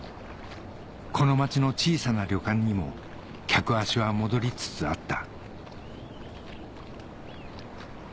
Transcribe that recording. この街の小さな旅館にも客足は戻りつつあった